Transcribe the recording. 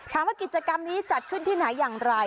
ถามว่ากิจกรรมนี้จัดขึ้นที่ไหนอย่างไร